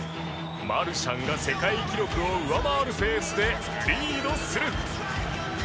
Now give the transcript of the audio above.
マルシャンが世界記録を上回るペースでリードする。